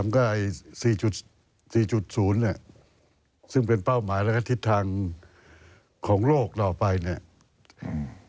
๓ก็๔๐เนี่ยซึ่งเป็นเป้าหมายแล้วก็ทิศทางของโลกเราไปเนี่ย